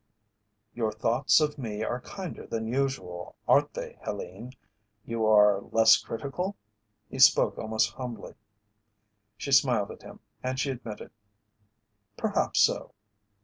"Your thoughts of me are kinder than usual, aren't they, Helene? You are less critical?" He spoke almost humbly. She smiled at him as she admitted: "Perhaps so."